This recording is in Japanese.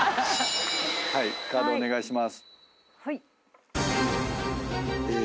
カードお願いします。